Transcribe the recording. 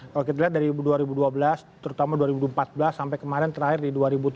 kalau kita lihat dari dua ribu dua belas terutama dua ribu empat belas sampai kemarin terakhir di dua ribu tujuh belas